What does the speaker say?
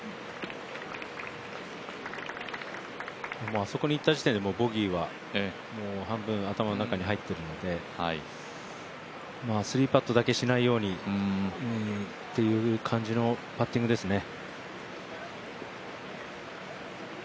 あそこに行った時点でボギーは半分頭の中に入っているので３パットだけしないようにという感じのパッティングですね。